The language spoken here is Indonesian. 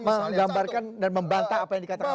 menggambarkan dan membantah apa yang dikatakan